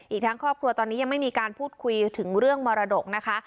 อีกทั้งครอบครัวตอนนี้ยังไม่มีการพูดคุยถึงเรื่องมรดกนะคะ